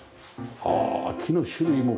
ああ木の種類も。